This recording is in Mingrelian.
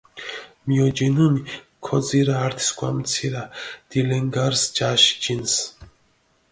მიოჯინჷნი, ქოძირჷ ართი სქვამი ცირა დილენგარს ჯაში ჯინს.